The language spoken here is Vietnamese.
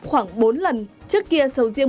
khoảng bốn lần trước kia sầu riêng